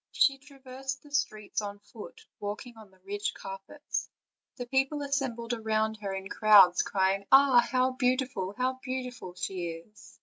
She traversed the streets on foot, walking on the rich carpets; the people assembled round her in crowds, crying: "Ah! how beautiful, how beautiful she is!"